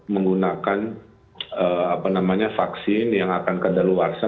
menggunakan vaksin yang akan ke dalawarsa